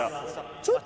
ちょっと！